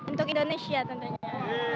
untuk indonesia tentunya